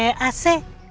nanti ga ber olacak